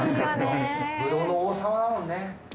ぶどうの王様だもんね。